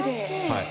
はい。